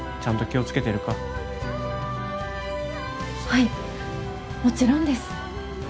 はいもちろんです。